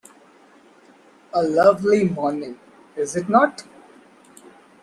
A lovely morning, is it not?